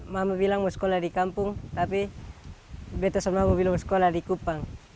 mama bilang mau sekolah di kampung tapi bebas sama aku belum sekolah di kupang